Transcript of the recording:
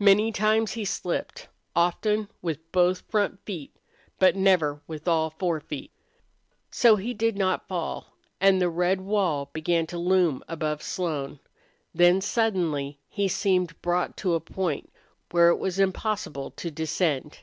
Many times he slipped, often with both front feet, but never with all four feet. So he did not fall. And the red wall began to loom above Sloan. Then suddenly he seemed brought to a point where it was impossible to descend.